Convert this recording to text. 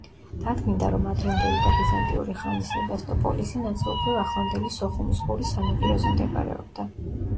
დადგინდა, რომ ადრინდელი და ბიზანტიური ხანის სებასტოპოლისი ნაწილობრივ ახლანდელი სოხუმის ყურის სანაპიროზე მდებარეობდა.